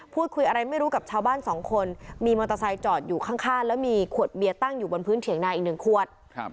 พูดคุยอะไรไม่รู้กับชาวบ้านสองคนมีมอเตอร์ไซค์จอดอยู่ข้างแล้วมีขวดเบียร์ตั้งอยู่บนพื้นเถียงนาอีกหนึ่งขวด